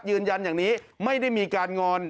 ยืนยันอย่างนี้ไม่ได้มีการงอน